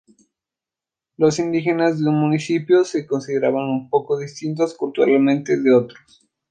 Los indígenas de un municipio se consideran un poco distintos culturalmente de otros.